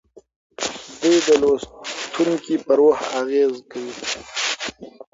دوی د لوستونکي په روح اغیز کوي.